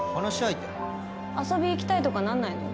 遊び行きたいとかなんないの？